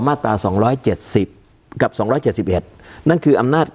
การแสดงความคิดเห็น